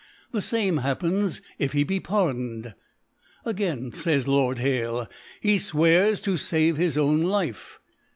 The fame happens, if he be pardoned^ Again, fays Lord Hale^ he fwears to favc his own Life.